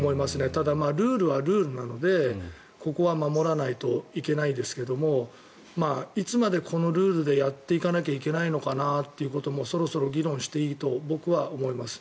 ただ、ルールはルールなのでここは守らないといけないですけどもいつまでこのルールでやっていかなきゃいけないのかなっていうのもそろそろ議論していいと僕は思います。